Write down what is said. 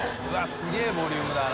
すげぇボリュームだな。